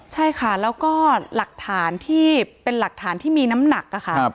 ใช่ค่ะแล้วก็หลักฐานที่เป็นหลักฐานที่มีน้ำหนักค่ะ